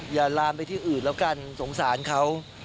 อย่าลามไปที่อื่นแล้วกันสงสารเขา